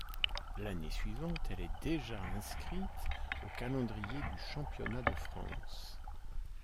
L'année suivante, elle est déjà inscrite au calendrier du championnat de France.